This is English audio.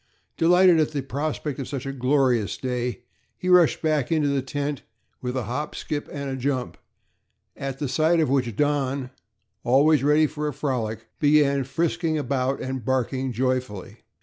Delighted at the prospect of such a glorious day, he rushed back into the tent with a hop, skip and a jump, at sight of which Don, always ready for a frolic, began frisking about and barking joyfully.